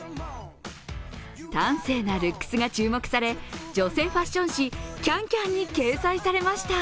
端正なルックスが注目され、女性ファッション誌「ＣａｎＣａｍ」に掲載されました。